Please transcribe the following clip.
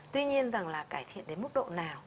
tuy nhiên rằng là cải thiện đến mức độ nào